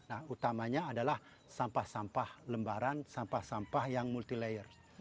nah utamanya adalah sampah sampah lembaran sampah sampah yang multi layer